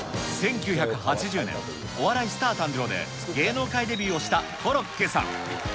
１９８０年、お笑いスター誕生！！で芸能界デビューしたコロッケさん。